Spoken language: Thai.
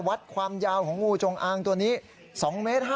วัดความยาวของงูจงอางตัวนี้๒เมตร